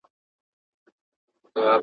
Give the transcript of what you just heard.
هغې مور ته مي سلام دی چي منظور یې زېږولی !.